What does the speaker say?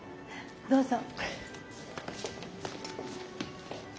どうぞ。